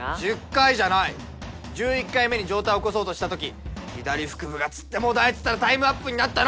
１０回じゃない１１回目に上体起こそうとしたとき左腹部がつってもだえてたらタイムアップになったの！